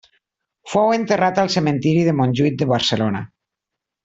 Fou enterrat al cementiri de Montjuïc de Barcelona.